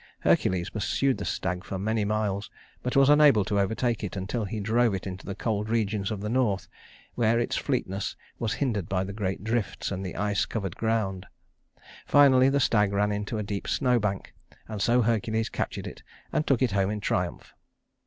Hercules pursued the stag for many miles, but was unable to overtake it until he drove it into the cold regions of the north, where its fleetness was hindered by the great drifts and the ice covered ground. Finally the stag ran into a deep snow bank, and so Hercules captured it and took it home in triumph.